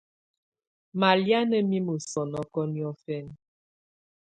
Malɛ̀á à nà mimǝ́ sɔ̀nɔkɔ̀ niɔ̀fɛna.